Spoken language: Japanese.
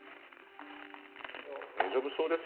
大丈夫そうですよね。